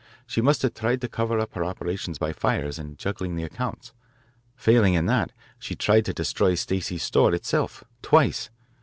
She must have tried to cover up her operations by fires and juggling the accounts. Failing in that she tried to destroy Stacey's store itself, twice.